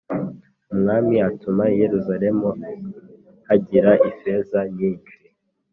Umwami atuma i Yerusalemu hagira ifeza nyinshi